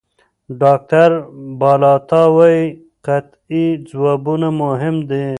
ډاکټر بالاتا وايي قطعي ځوابونه مهم دي.